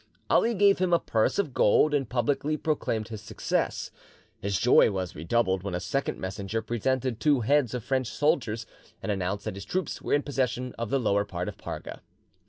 Ali gave him a purse of gold, and publicly proclaimed his success. His joy was redoubled when a second messenger presented two heads of French soldiers, and announced that his troops were in possession of the lower part of Parga.